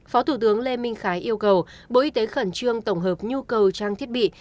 phó thủ tướng lê minh khái yêu cầu bộ y tế khẩn trương tổng hợp nhu cầu trang thiết bị